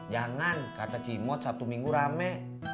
jangan kata cimot sabtu minggu rame